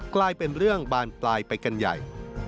กลายเป็นเรื่องบานปลายไปกันใหญ่